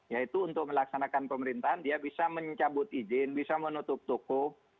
yaitu untuk melaksanakan pemerintahan dia bisa mencabut izin bisa menutup toko